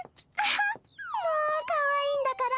もうかわいいんだから。